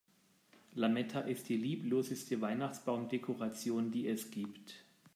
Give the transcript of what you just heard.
Lametta ist die liebloseste Weihnachtsbaumdekoration, die es gibt.